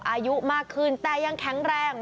อายุมากขึ้นแต่ยังแข็งแรง